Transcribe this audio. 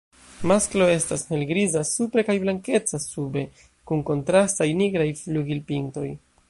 Masklo estas helgriza supre kaj blankeca sube, kun kontrastaj nigraj flugilpintoj.